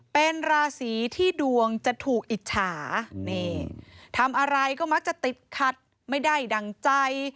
เป็นราศีที่ดวงจะถูกอิจฉานี่ทำอะไรก็มักจะติดขัดไม่ได้ดั่งใจ